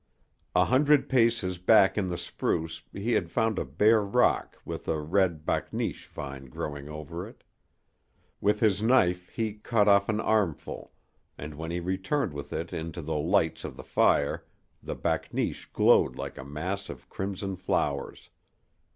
A hundred paces back in the spruce he had found a bare rock with a red bakneesh vine growing over it. With his knife he cut off an armful, and when he returned with it into the light of the fire the bakneesh glowed like a mass of crimson flowers.